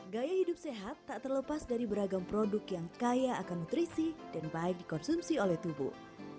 gaya hidup sehat tak terlepas dari beragam produk yang kaya akan nutrisi dan baik dikonsumsi oleh tubuh